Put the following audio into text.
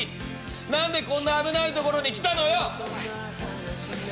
何でこんな危ないところに来たのよ！」。